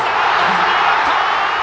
スリーアウト！